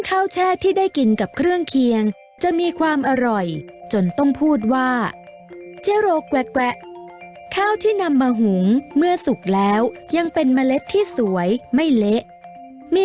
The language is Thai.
แช่ที่ได้กินกับเครื่องเคียงจะมีความอร่อยจนต้องพูดว่าเจโรแกวะข้าวที่นำมาหุงเมื่อสุกแล้วยังเป็นเมล็ดที่สวยไม่เละมี